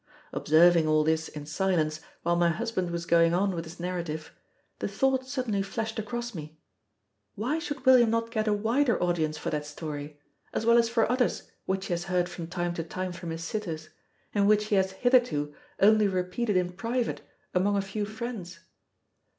Observing all this in silence, while my husband was going on with his narrative, the thought suddenly flashed across me, "Why should William not get a wider audience for that story, as well as for others which he has heard from time to time from his sitters, and which he has hitherto only repeated in private among a few friends?